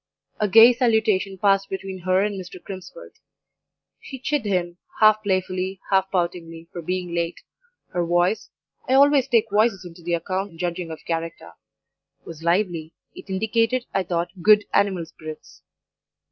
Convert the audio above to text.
A gay salutation passed between her and Mr. Crimsworth; she chid him, half playfully, half poutingly, for being late; her voice (I always take voices into the account in judging of character) was lively it indicated, I thought, good animal spirits.